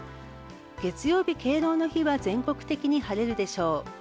月曜日・敬老の日は全国的に晴れるでしょう。